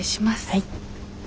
はい。